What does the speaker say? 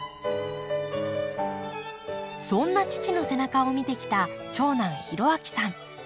そんな父の背中を見てきた長男浩章さん。